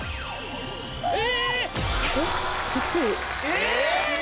えっ！